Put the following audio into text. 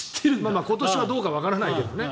今年はどうかわからないけどね。